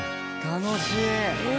楽しい。